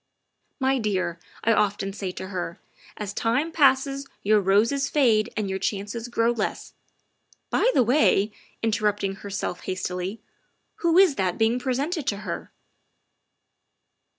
''' My dear, ' I often say to her, ' as time passes your roses fade and your chances grow less' By the way" interrupting her self hastily " who is that being presented to her?"